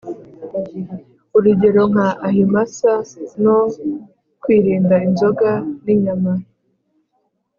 urugero nka ahimsa no kwirinda inzoga n’inyama